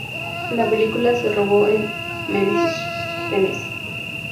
La película se rodó en Memphis, Tennessee.